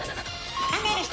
『考える人』。